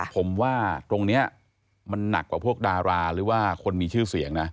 ผมว่าตรงนี้มันหนักกว่าพวกดาราหรือว่าคนมีชื่อเสียงนะ